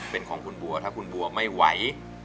เป็นของคุณบัวถ้าคุณบัวไม่ไหว